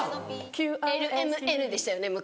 「ＬＭＮ」でしたよね昔。